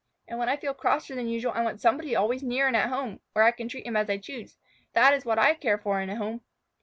And when I feel crosser than usual I want somebody always near and at home, where I can treat him as I choose. That is what I care for in a home."